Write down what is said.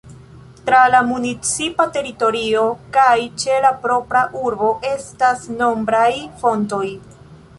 Tra la municipa teritorio kaj ĉe la propra urbo estas nombraj fontoj.